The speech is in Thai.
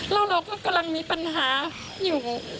แล้วเราก็กำลังมีปัญหาอยู่